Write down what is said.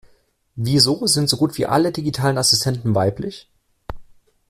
Wieso sind so gut wie alle digitalen Assistenten weiblich?